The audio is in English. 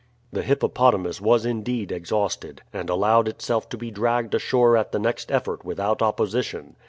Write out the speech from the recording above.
The hippopotamus was indeed exhausted, and allowed itself to be dragged ashore at the next effort without opposition.